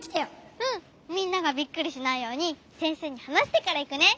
うんみんながびっくりしないようにせんせいにはなしてからいくね。